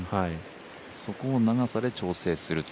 そこを長さで調整すると。